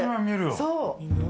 そう。